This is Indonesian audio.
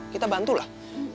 kita bantu lah